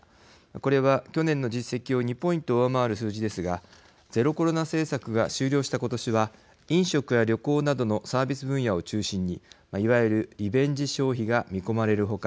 これは、去年の実績を２ポイント上回る数字ですがゼロコロナ政策が終了した今年は飲食や旅行などのサービス分野を中心にいわゆるリベンジ消費が見込まれる他